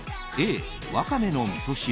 Ａ、ワカメのみそ汁。